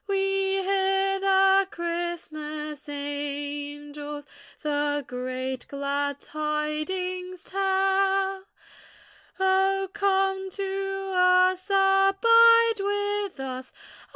We hear the Christmas angels The great glad tidings tell; Oh come to us, abide with us.